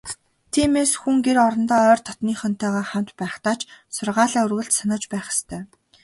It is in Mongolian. Тиймээс, хүн гэр орондоо ойр дотнынхонтойгоо хамт байхдаа ч сургаалаа үргэлж санаж байх ёстой.